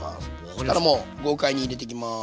そしたらもう豪快に入れていきます。